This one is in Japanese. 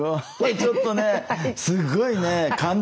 ちょっとねすごいね感動。